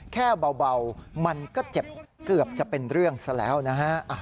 แค่เบามันก็เจ็บเกือบจะเป็นเรื่องซะแล้วนะฮะ